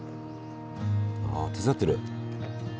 ああ手伝ってる。